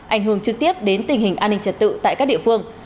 ảnh hưởng trực tiếp đến tình hình an ninh trật tự tại các địa phương